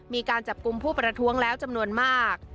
มีการจับกลุ่มผู้ประท้วงแล้วจำนวนมาก